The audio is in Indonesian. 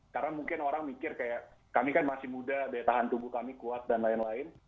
karena mungkin orang mikir kayak kami kan masih muda tahan tubuh kami kuat dan lain lain